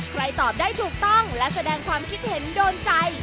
ตอบได้ถูกต้องและแสดงความคิดเห็นโดนใจ